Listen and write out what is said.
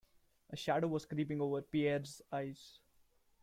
A shadow was creeping over Pierre's eyes.